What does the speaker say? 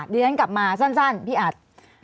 เรียนกลับมาสั้นพี่อัด